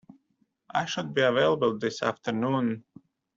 I should be available this afternoon